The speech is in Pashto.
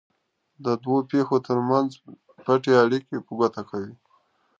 د دوو پېښو ترمنځ پټې اړیکې په ګوته کوي.